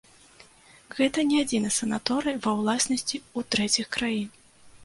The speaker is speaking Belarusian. Гэта не адзіны санаторый ва ўласнасці ў трэціх краін.